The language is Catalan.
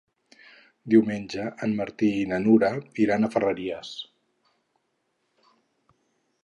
Diumenge en Martí i na Nura iran a Ferreries.